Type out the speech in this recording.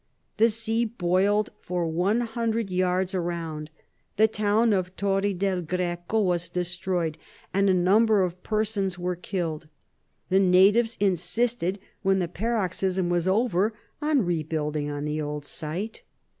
The sea boiled for one hundred yards around. The town of Torre del Greco was destroyed, and a number of persons were killed. The natives insisted, when the paroxysm was over, on rebuilding on the old site.